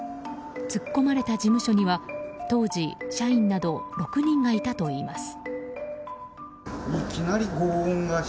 突っ込まれた事務所には当時、社員など６人がいたといいます。